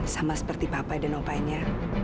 sama seperti papa dan apanya